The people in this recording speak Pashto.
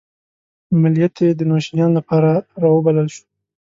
ملت یې د نوشیجان لپاره راوبلل شو.